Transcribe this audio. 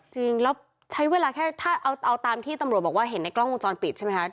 จริงแล้วใช้เวลาแค่ถ้าเอาตามที่ตำรวจบอกว่าเห็นในกล้องวงจรปิดใช่ไหมคะ